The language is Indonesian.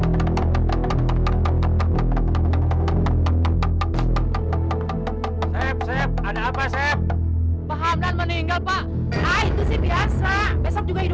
umm persis kamu